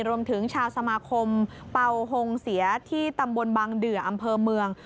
รวมถึงชาวสมาคมเป่าฮงเสียที่ตำบลบางเดืออำเภอเมือง